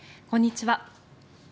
こんにちは。